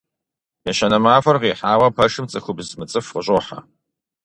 Ещанэ махуэр къихьауэ пэшым цӀыхубз мыцӀыху къыщӀохьэ.